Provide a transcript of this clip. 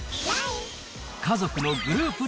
家族のグループ